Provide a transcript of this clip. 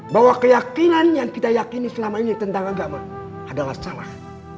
bahwa keyakinan yang kita yakini selama ini tentang agama adalah salah